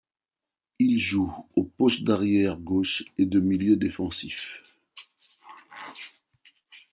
Il joue au poste d'arrière gauche et de milieu défensif.